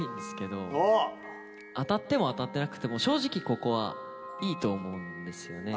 当たっても当たってなくても正直ここはいいと思うんですよ。